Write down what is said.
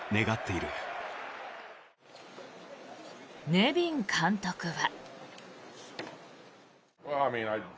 ネビン監督は。